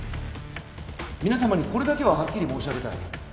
皆さまにこれだけははっきり申し上げたい。